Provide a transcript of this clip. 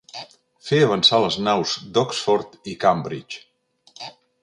Fer avançar les naus d'Oxford i Cambridge.